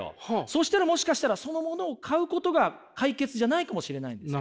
そしたらもしかしたらそのものを買うことが解決じゃないかもしれないんです。